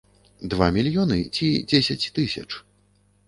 Два мільёны ці дзесяць тысяч?